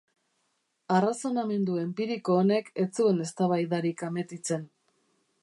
Arrazonamendu enpiriko honek ez zuen eztabaidarik ametitzen.